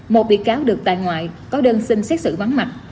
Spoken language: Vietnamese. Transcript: một bị cáo được tại ngoại có đơn xin xét xử vắng mặt